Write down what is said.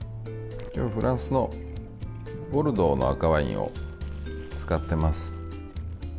今日、フランスのボルドーの赤ワインを使ってます。